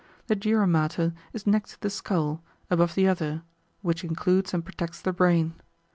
The dura mater is next to the skull, above the other, which includes and protects the brain.